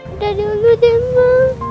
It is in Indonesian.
udah dulu deh ma